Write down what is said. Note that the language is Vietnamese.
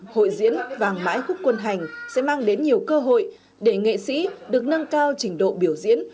hội diễn vàng mãi khúc quân hành sẽ mang đến nhiều cơ hội để nghệ sĩ được nâng cao trình độ biểu diễn